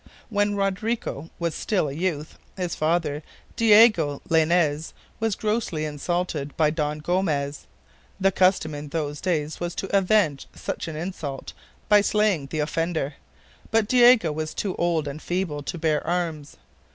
When Rodrigo was still a youth, his father, Diego Laynez, was grossly insulted by Don Gomez. The custom in those days was to avenge such an insult by slaying the offender; but Diego was too old and feeble to bear arms.